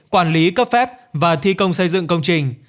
quản lý cấp phép và thi công xây dựng công trình